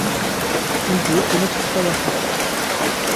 কিন্তু কোন ছাত্রাবাস নেই।